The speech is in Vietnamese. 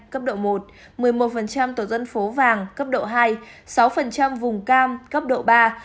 cấp độ một một mươi một tổ dân phố vàng cấp độ hai sáu vùng cam cấp độ ba